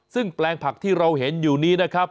ซึ่งแปลงผักที่เราเห็นอยู่นี้นะครับ